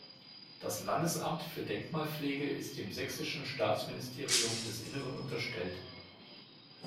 Das Landesamt für Denkmalpflege ist dem Sächsischen Staatsministerium des Innern unterstellt.